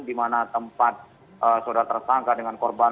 di mana tempat saudara tersangka dengan korban